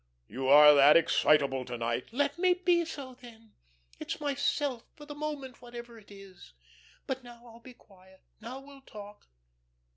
You are that excitable to night!" "Let me be so then. It's myself, for the moment whatever it is. But now I'll be quiet. Now we'll talk.